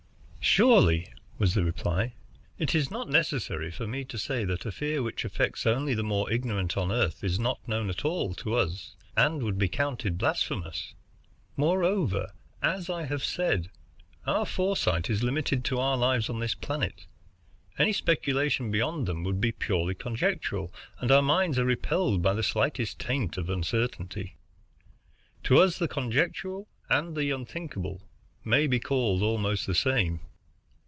"Surely," was the reply, "it is not necessary for me to say that a fear which affects only the more ignorant on Earth is not known at all to us, and would be counted blasphemous. Moreover, as I have said, our foresight is limited to our lives on this planet. Any speculation beyond them would be purely conjectural, and our minds are repelled by the slightest taint of uncertainty. To us the conjectural and the unthinkable may be called almost the same."